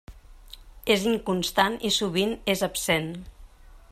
És inconstant i sovint és absent.